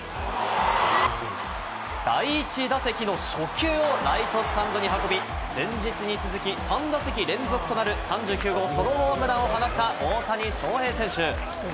第１打席の初球をライトスタンドに運び、前日に続き、３打席連続となる３９号ソロホームランを放った大谷翔平選手。